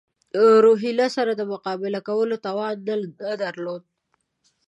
روهیله سره د مقابلې کولو توان نه درلود.